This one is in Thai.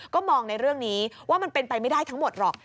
ก็มองในเรื่องนี้ว่ามันเป็นไปไม่ได้ทั้งหมดหรอก